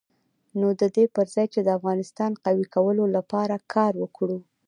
نو د دې پر ځای چې د افغانستان قوي کولو لپاره کار وکړو.